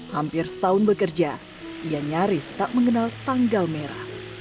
hampir setahun bekerja ia nyaris tak mengenal tanggal merah